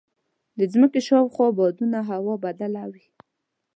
د ځمکې شاوخوا بادونه هوا بدله وي.